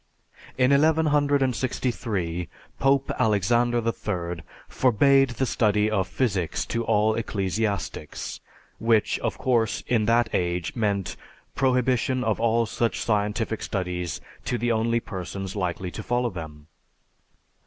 In 1163 Pope Alexander III forbade the study of physics to all ecclesiastics, which of course, in that age, meant prohibition of all such scientific studies to the only persons likely to follow them.